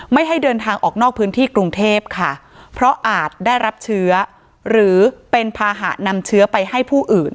ให้เดินทางออกนอกพื้นที่กรุงเทพค่ะเพราะอาจได้รับเชื้อหรือเป็นภาหะนำเชื้อไปให้ผู้อื่น